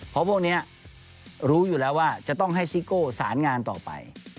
เพราะพวกนี้รู้อยู่แล้วว่าจะต้องให้ซิโก้สารงานต่อไป